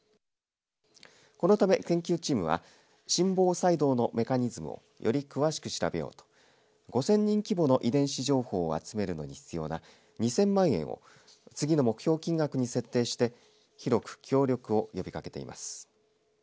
このため研究チームは心房細動のメカニズムをより詳しく調べようと５０００人規模の遺伝子情報を集めるのに必要な２０００万円を次の目標金額に設定して広く協力を呼びかけています。